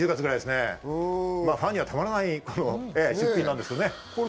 ファンにはたまらない出品です。